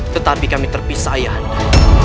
tetapi kami terpisah ayah anda